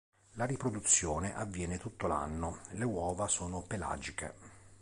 La riproduzione avviene tutto l'anno, le uova sono pelagiche.